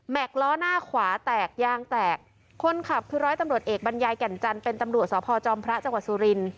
ล้อหน้าขวาแตกยางแตกคนขับคือร้อยตำรวจเอกบรรยายแก่นจันทร์เป็นตำรวจสพจอมพระจังหวัดสุริน